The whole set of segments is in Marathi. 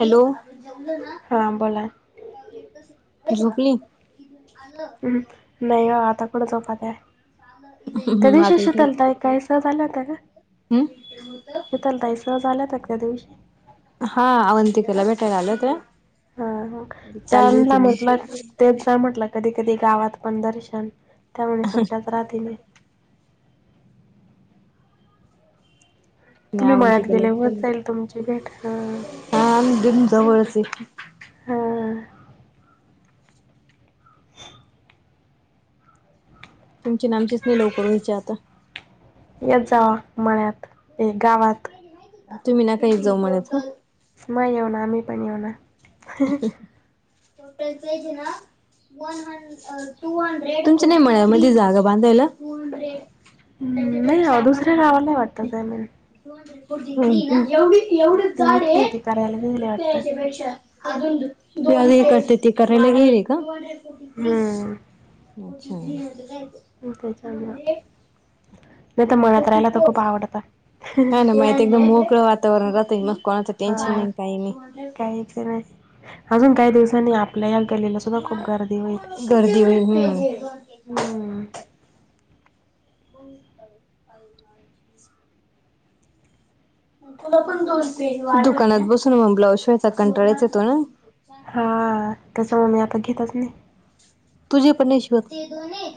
हॅलो. हां बोला. झोपली. हम्म् नाही ओ आता कुड झोपात्याय. त्या दिवशी आता उठली शितल ताई ताई साब आल्या होत्या ना. हम् शितल ताई सहज आल्या होत्या का त्या दिवशी हा अवंतिकेला भेटायला आले होत्या. हा हा चालली त्यांना होती म्हटल देत जा म्हटला कधी कधी गावात पण दर्शन त्यामुळे सुट्ट्याच राहती नाई. मी तुम्ही मळ्यात अवंतिकेला गेले होत भेटायला जाईल तुमची भेट ह [inaudible] हा दिम जवळच आहेत हा अ. [inaudible] तुमची नामची नाही लवकर व्हायच्या आता. येत जावा मळ्यात. ए गावात. तुम्ही नका येत जाऊ मळ्यात म येऊ ना आम्ही पण येऊना. टोटल तेज ना वन हे [inaudible] तुमच्या नाही मळ्या मध्ये जागा बांधायला. म् नाही ओ दुसऱ्या गावाला वाटत काय माहित. हम्म् हम्म एवढी एवढीच ती जाड ये इथली ती करायला गेली वाटतं. ह्यांच्या पेक्षा ते आधी हे करत्या ते करायला गेल का हं. अच्छा आणि ते चांगल [unintelligible] हा तर खूप आवडतं ना माहती एकदम मोकळ वात वातावरण राहतय मग कोणाच टेन्शन हा नाही काही नाही. अजून काही दिवसांनी आपल्या या गल्लीला सुद्धा खूप गर्दी होईल. करदी [unintelligible] होई म. हम्म. होई हई म [unintelligible] [inaudible] दुकानात बसून मग ब्लाऊज शिवायचा कंटाळायच येतो ना. हा तसं मग मी आता घेतच नाही. तुझे पणेश्वर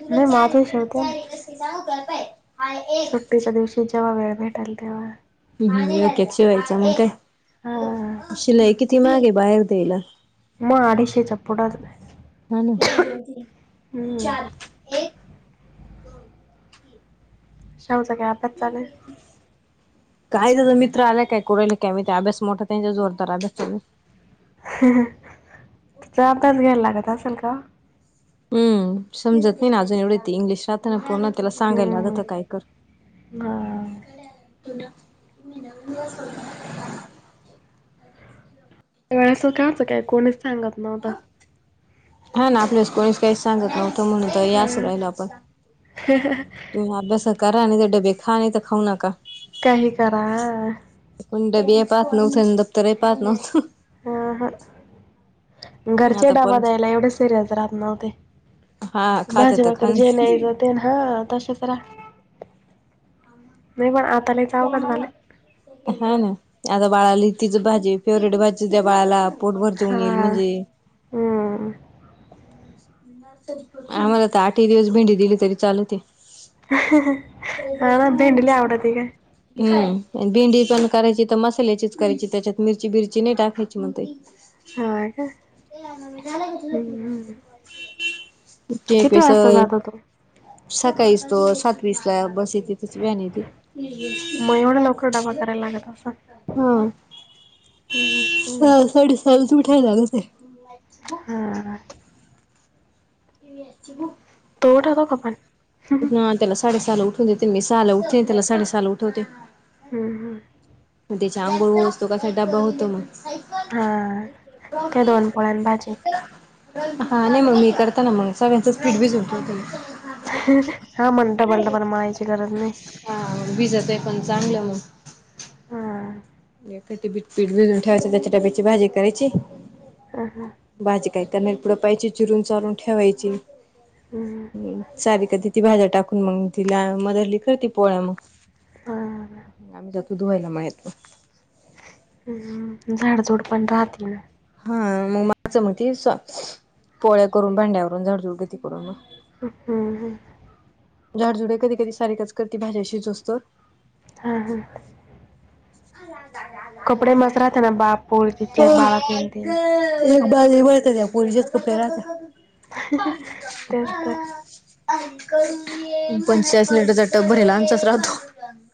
[inaudible] नाही माझेच शिवतेना नाव कळबाई सुट्टीच्या दिवशी जेव्हा वेळ भेटेल तेव्हा [inaudible] एक- एक शिवायच मग हा काय शिलाई किती माग आहे बाहेर द्यायला मग अडीशे चा पुडाद. आणि ते दोन तीन हम्म. चार [inaudible] [unintelligible] शेवगा हम् ह [inaudible] काय झाले मित्र आलाय काय कराले काय मायेत अभ्यास मोठा त्यांच्या जोरदार अभ्यास हा चार तास घ्यायला लागत असेल का? हम् समजत नाही ना अजून एवढे ते इंग्लिश शब्द. पुर्ण त्याला सांगायला हम्म. लागत काय कर हा क त [unintelligible] ओळख का असचं काय कोणीच सांगत नव्हतं हा ना आपल्यास कोणीस काहीच सांगत नव्हतं. म्हणत अंस हम्म. राहिल आपण तुम्ही अभ्यासात करा आणि ते डबे 'खा नाही तर खाऊ नका काही करा. कोणी डबी पाध नव्हते आणि दफ्तरही पाध नव्हतं [inaudible] हा -हा घरचे आता डब्बा पोरांची द्यायला एवढे सिरयस राहत नव्हते. हा खाते तर खा भाजी-भाकर जे न्यायचं [unintelligible] जात ना ह तच. [inaudible] नाही पण आता [inaudible] अवघड झाले हा ना आता बाळाला तीच भाजी फेवरेट भाजी त्या बाळाला पोटभर हा जेवून येईल म्हणजे हम्म. [inaudible] आम्हाला तर आठही दिवस भेंडी दिली तरी चालवते. [inaudible] आ भेंडी लय आवडते ग. [inaudible] हम् भिंडी पण करायची तर मसाल्याचीच करायची त्याच्यात मिरची -बिरची नाही टाकायची मग ते हा का हम्म- हम्. यकस. जातो तू सकाळीस तो सातवीस ला बस येते त्याची वॅन येते. मग एवढा लवकर डबा करायला लागत हम. हकू. चाल तूठाय झा ना ते हा. टि व अससची ग. तोटात खपन ना त्याला साडे सल उठूनते ते म सल उठते त्याला साडे सल उठोते. ह- ह. त्याची आंघोळ [inaudible] होस तरी त्याचा डबा होतो मग ल हा [unintelligible] काय ट्रॉफी दोन पोळ्या आणि भाजी [inaudible] हा नाही मग मी करताना मग सगळ्यांच पीठ भिजवून ठेवते [inaudible] हा म्हणता डबल -डबल मायची गरज नाही. हा विजात आहे पण चांगलं मग हा ब पीठ भिजून ठेवायच त्याची टाप्याची भाजी करायची ह हां भाजी काय त्यानार पुडपायची चिरून चालून ठेवायची हम्म. सारी का ती ती भाज्या टाकून मग तिला मदरली ख ती पोळ्या मग ह आम्ही जातू दुवायला माहेतो झाडजोड पण राहते ना हा मग माग मग ती पोळ्या करून भांड्यावरून झाडझुडगती करून मग हम् हम झाडझुडे कधी कधी सारीखच करती भाज्याशीचोस्तो हा हा कपडे मस्त राहते ना बा पोरतीचे बाळात येन ते एक एक बाज बत त्या पोलीच्याच कपडे्या राहते तेच तर आणिक पंचेचाळीस लनटरचा टप भेलाचाच राहतो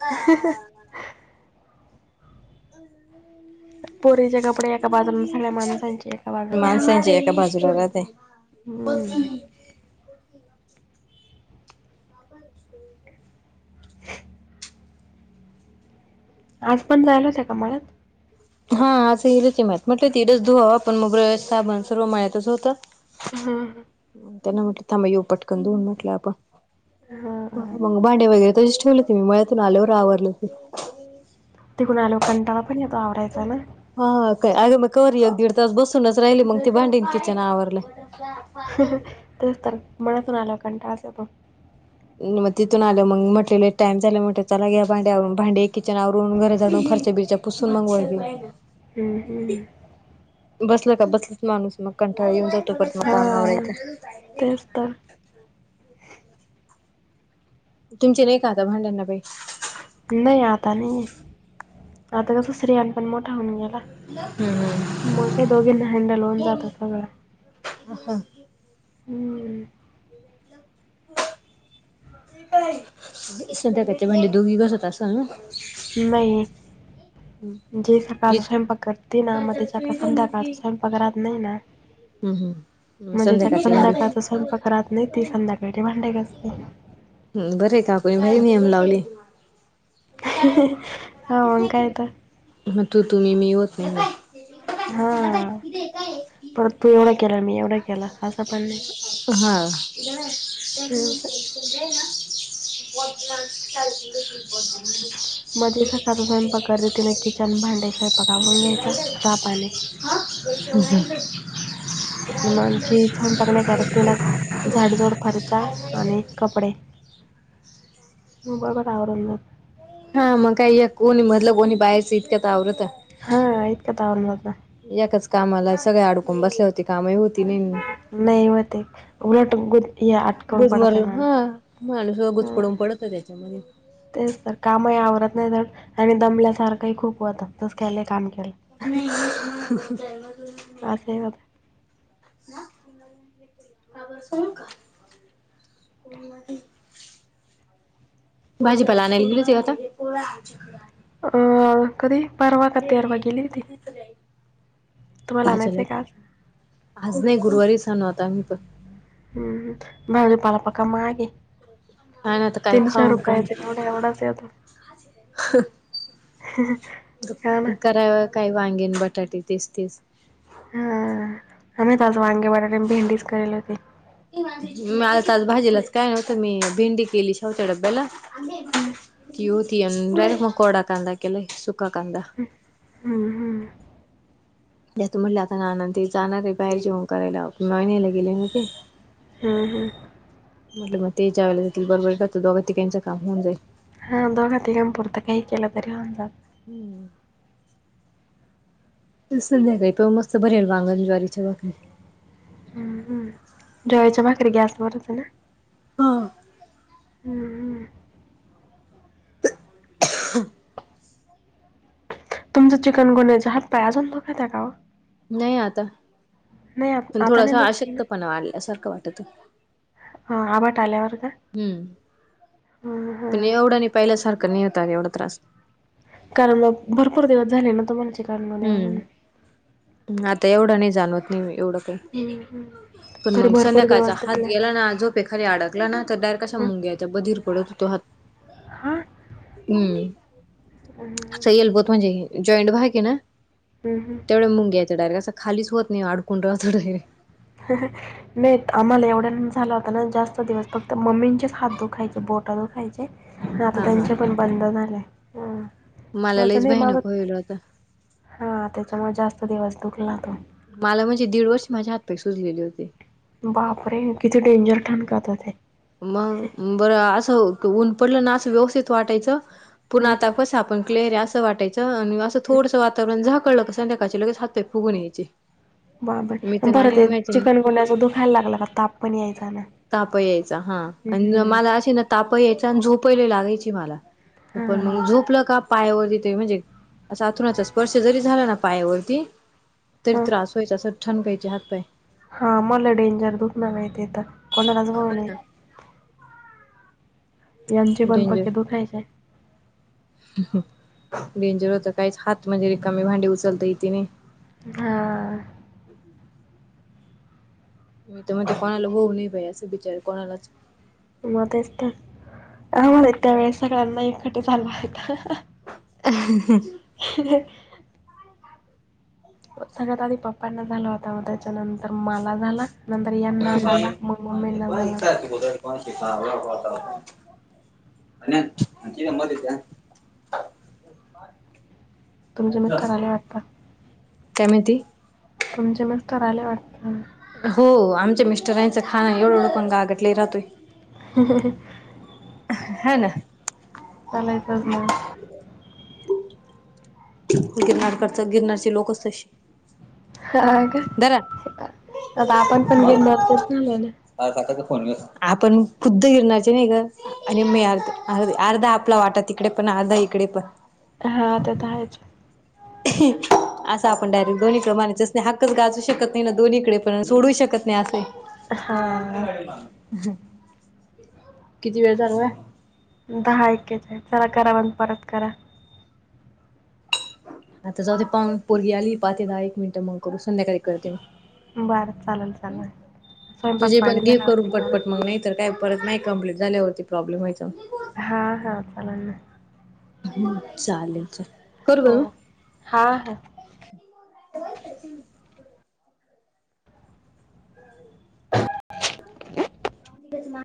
ह हम् पोरी जग बाजूला माणसांची एका बाजूलाात आहे प ह हम्म. आज पण जायल त्याका मळत हा असं हिरच माहत म्हटलं तिडच धुवा आपण मोगर साबण सर्व माळतच होत हा, त्यांना म्हटलं थांब येो पटकन दऊन म्हटलं आपण हा. मग भांडे वगैरे तशीच ठेवले ते मी मळतून आल्यावर आवरलं ते तिकून आ लोकंटाना पण या आवरायचंय ना हा काय अगं मग कररी एक दीड तास बसूनच राहिली मग तेी भांडीण किचन आवरलं तेच तर मनातून आलं कंटा असं प मग तिथून आलं मग म्हटलेलं टाइम झाला म्हट चला घ्या भांड्यावरून भांडे किचनावरून घर जाडून खर्च्या बिरच्या पुसून मगवा घे हम्म हम् बसलं का बसलाच माणूस मग कंठाळ येऊन जात हा तेच तर तुमची नाही का आता भांड्यांना बाई नाही आता नाहीे आता कसं स््रियांन पण मोठा होऊन गेला मग काय दोघींना हँडल होऊन जातं सगळं अ हा हम्म ध्या कचे भंडे दोघ बस होत असल ना नाही जे सकाळचा स्वयंपाक करते ना मग ज संध्याकाळचा स्वयंपाक राहत नाही ना हम् हम म्हणजे ज्या संध्याकाळचा स्वयंपाक राहत नाही ती संध्याकाळी भांड ग असते बरे काकुणी भारी मीयम लावली हा वंकायता मग तू तुम्ही मी होत ना हा ते काय परत तू एवढा केला मी एवढा केला असं पण नाही हा त हं, असं. त्या आतल मजे सकाळचा स्वयंपाकते ति ना किचन भांडे स्वयंपाक मून घ्यायचा चहा पाने आणि मग जी उशीर स्वयंपाक नाही करत, तिनं झाडझूड, फरशा आणि [unintelligible] कपडे मग बरोबर आवरून ना हा मग काय या कोणी मधलं कोणी बाहेरच इतकंत आवरत हा यत कातावल मग एकाच कामाला सगळ्या अडकून बसल्यावरती कामही हो नाही हो ते उलट अटकून पडत आहे गुजमरला माणस हा माणूस वगूच पडून पडत त्याच्यामध्ये तेच तर कामही आवरत नाही तर आणि दमल्यासारखंही खूप होत तस ख्याले काम केलं नाहीधर्मु नाही आहे असंही होतं ना का क भाजी पला आणायला गेली होती का अ कधी परवा का तेरवा गेली हो ती ला आज आहे का नाही गुरुवारी सणू आता आम्ही पण हम्म नी पलपका मागे हा ना आता काय तीनशे खाऊ काय रुपय ेते एवढ एवढाच येतो ह करा काही वांगेन बटाटे तीस तीस हा आम तज वांगे बरा भेंडीच करेल होती म आता तज भाजीलाच काय नव्हतं मी भेंडी केली शेवत्या डब्याला हम्म, ते हो तन डयरेक्ट म कडा कादा केला सुक्खा कादा हम्म हम्म त्यात म्हटले आता नान ते जाणार आहे बाहेर जेवन करायला महिन्याला गेले होते हा हां म्हटलं मग ते ज्यावेला जातील बरोबर का तोघ तिकांचं काम होऊ जाईल हा दोघा तिघांपरतं काही केलं तरी होन जात हम्म संध्याकाळी प मस्त बररी आहेल वांगण ज्वारीच्या बाकरी हम् हम जळीच्या पाखर ग आस बर अस ना हा हम्म. [unintelligible] तुमचं चिकन गुनयं हात पायाजून नो का त्या कां नाही आता आत- पण आता नाही थोडासा दुखते ना आशक्तपणा वाढल्यासारखं वाटत ह आबाट आल्यावर का हम्म हम्म, पण हम्म. एवढं नाही पाहिल्यासारखं नाही होता एवढा त्रास कारण म भरपूर दिवस झाले ना त म्हण हम्म आता एवढं नाही जाणवत नाही एवढं काही हम्म, हम्म. पण तरी मग भरपूर संध्याकाळचा दिवस हात दुखले गेला ना अजो एखाली अडकला ना तर डार कशा हं? मुंग्या यायचा बधीर पडत होतो हात हा हम्म हम्म, अस येलबत म्हणजे जॉईंट बा कि ना हम हम तेवढ मुंग घ्याच डायरेट अस खालीच होत नाही अडकून राहत डायरेट ह नाही आम्हाला एवढ्या झाला होता ना जास्त दिवस फक्त मम्मींचेच हात दुखायचे बोटा दुखायचे आता हा हा त्यांचे पण बंद झालेय मला माझं लईच नाही माझं भयानक होईल होता हा त्याच्या मग जास्त दिवस दुखला तो मला म्हणजे दीड वर्ष माझ्या हातपैक्ष सुजलेले होते बापरे किती डेंजर ठाण करतात मग बरं असं ऊन पडलं ना असं व्यवस्थित वाटायचं पूर्ण हं आता कस आपण लेर्या असं वाटायचं आणि असं थोडसं वातावरण झाकळलं क संध्याकाळचे लगेच हात फुगून यायचे बा मी बर तर बरं नाणी ते आहे माहिती चिकन कोुंड्याच दुखायला लागला का ताप पण यायचा ना ताप यायचा हा आणि हम्म मला अे ना ताप यायच आणि झोपली लागायची मला हा पण मग झोपलं का पायावरती त म्हणजे असा अथुणाचा स्पर्श जरी झाला ना पायावरती तरी हा त्रास व्हायचा असर छण पयचे हातपाय हा मला डेंजर दुख ना माहिती तर कोणालाच भाऊ नाही यांचे पण डेंजर पक्के दुखायचे डेंजर होत काहीच हात म्हणजे र कमी भांडी उचलत इथे नाही हा मी तर म्हणजे कोणाला होऊ नाही बाई असं विचार कोणालाच मध्येच तर ह म्हण त्या वेळेस सगळ्यांना एकट चालू आहे अ ह सगळ्यात आधी पप्पांना झाला होता व त्याच्यानंतर मला झाला नंतर यांना झाला मग मम्मीईना झाला को श का होता आणि कि का मध्ये त्या तुमजे मग करायला वाटतात कमिती तुमचे मस्त आले वाटतं हो आमच्या मिस्टर यांचं खाण एवढ लक गा आगडले राहतोय हो ह ना लाचच ना गिरनारकडचा गिरनारचे लोकच तशी हा धरा. का आता आपण पण घेन मतोच ना लो का फोन आपण खुद्द गिरणारचे नाही का आणि म अर् अर्ध अर्धा आपला वाटा तिकडे पण अर्धा इकडे पण हा ते तर आहेयच असा आपण डायरेक्ट दोन्कडे मानायच अस नाही हकच गाजू शकत नाही दोनहीकडे पण सोडू शकत नाही आहे हा किती वेळ चालू आहे दहा एककेच आहेत चला करा म्हण परत करा आता जाऊ ते पाोरगी आली पाहते दहा एक मिनिटं मग करू संध्याकाळी ते बरं चालेल चालेल स्वयंपाक तुझे पण पाणी गे झाला करून होते कारण पटपट मग नाही तर काय परत नाही कं्प्लीट झाल्यावरती प्रॉब्लेम व्हायचा हा हा चाला ना ह चालेल चालेल करू हो का मी हा ह होयच त ह ह ठीक म